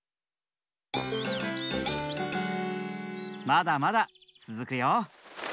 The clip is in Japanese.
まだまだつづくよ。